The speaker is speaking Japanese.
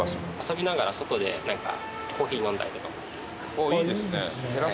ああいいですね。